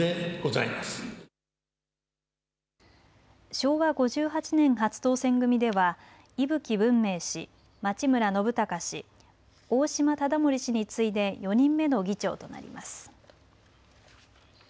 昭和５８年初当選組では伊吹文明氏、町村信孝氏、大島理森氏に次いで４人目の議長となります。